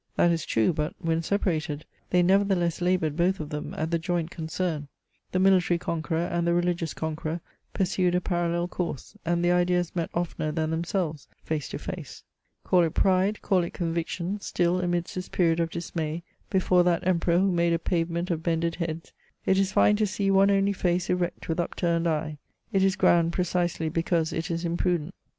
That is true, but, when separated, they nevertheless laboured, both of them, at the joint concern. The military conqueror, and the religious conqueror, pursued a parallel course, and their ideas met oflener than themselves, face to face. Call it pride, call it conviction, still, amidst this period of dismay, before that Emperor who made a pavement of bended heads, it is fine to see one only face erect with upturned eye. It is grand, precisely because it is imprudent.